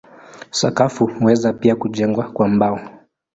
Sakafu huweza pia kujengwa kwa mbao.